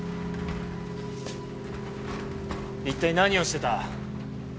一体何をしてた？